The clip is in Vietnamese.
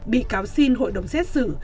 bị cáo xin hội đồng xét xử